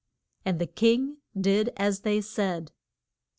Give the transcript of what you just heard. And the king did as they said.